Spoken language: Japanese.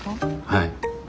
はい。